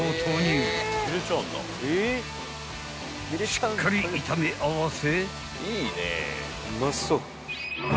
［しっかり炒め合わせ］